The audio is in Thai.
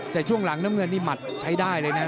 แต่ช่วงหลังน้ำเงินนี่หมัดใช้ได้เลยนะ